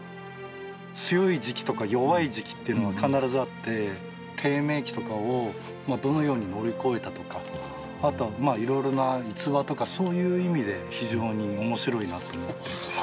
強い時期とか弱い時期っていうのは必ずあって、低迷期とかをどのように乗り越えたとか、あと、いろいろな逸話とか、そういう意味で非常におもしろいなと思って。